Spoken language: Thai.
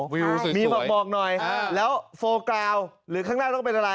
วิวสิมีบอกหน่อยแล้วโฟกราวหรือข้างหน้าต้องเป็นอะไร